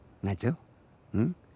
うん？